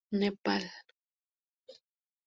Nepal; J. Fac.